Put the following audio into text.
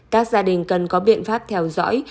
các gia đình cần có biện pháp theo dõi